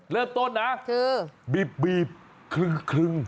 เริ่มต้นนะคือบีบคลึง